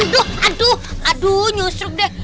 aduh aduh aduh nyusruk deh